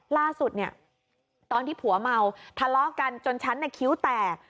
ล่าสุดเนี่ยตอนที่ผัวเมาทะเลาะกันจนฉันคิ้วแตก